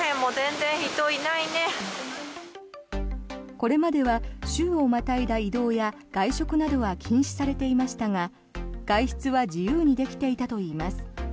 これまでは州をまたいだ移動や外食などは禁止されていましたが、外出は自由にできていたといいます。